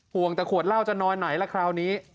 ห่วงแต่ขวดเหล้าจะนอนไหนล่ะคราวนี้